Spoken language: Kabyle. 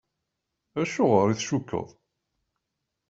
Acuɣer i tcukkeḍ?